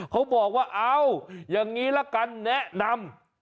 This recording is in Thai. เขาบอกว่าเอาอย่างนี้ละกันแนะนำ